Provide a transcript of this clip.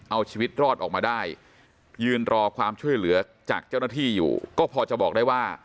เอาชีวิตรอดออกมาได้ยืนรอความช่วยเหลือจากเจ้าหน้าที่อยู่ก็พอจะบอกได้ว่า